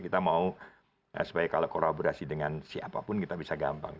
kita mau supaya kalau kolaborasi dengan siapapun kita bisa gampang